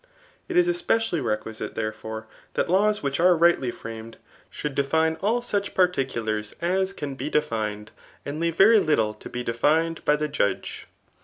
It is especially reqmsite, therefore, that laws pfbkJx are righdy firamed should define all such ptfti* culars as can be defined, and leave very Kttle to be defined by the judge.